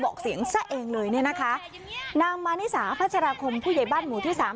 บอกเสียงซะเองเลยเนี่ยนะคะนางมานิสาพัชราคมผู้ใหญ่บ้านหมู่ที่สาม